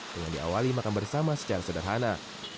dengan diawali makan bersama secara sederhana